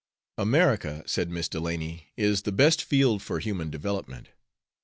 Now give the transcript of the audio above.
"America," said Miss Delany, "is the best field for human development.